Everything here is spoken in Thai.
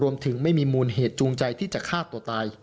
รวมถึงไม่มีมุนเหตุจูงใจที่จะฆาตตัวตาย